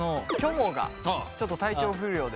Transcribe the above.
もがちょっと体調不良で。